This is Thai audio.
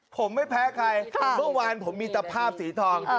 ผมไม่แพ้ใครเมื่อวานผมมีตะภาพสีทอง